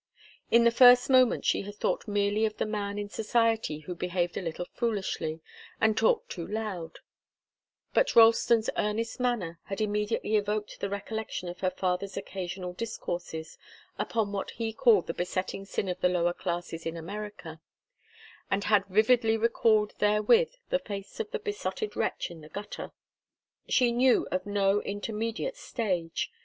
In the first moment she had thought merely of the man in society who behaved a little foolishly and talked too loud, but Ralston's earnest manner had immediately evoked the recollection of her father's occasional discourses upon what he called the besetting sin of the lower classes in America, and had vividly recalled therewith the face of the besotted wretch in the gutter. She knew of no intermediate stage.